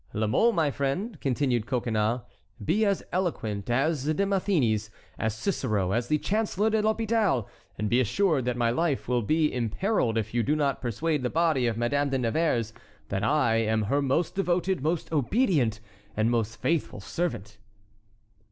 "La Mole, my friend," continued Coconnas, "be as eloquent as Demosthenes, as Cicero, as the Chancellor de l'Hôpital! and be assured that my life will be imperilled if you do not persuade the body of Madame de Nevers that I am her most devoted, most obedient, and most faithful servant."